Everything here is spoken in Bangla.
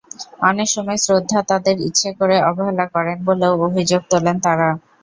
অনেক সময় শ্রদ্ধা তাঁদের ইচ্ছে করে অবহেলা করেন বলেও অভিযোগ তোলেন তাঁরা।